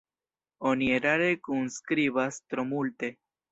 Oni erare kunskribas tro multe.